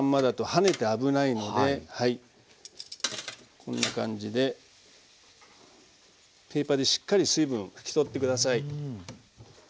こんな感じでペーパーでしっかり水分拭き取って下さい。